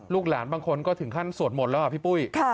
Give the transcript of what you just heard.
หลานบางคนก็ถึงขั้นสวดหมดแล้วอ่ะพี่ปุ้ย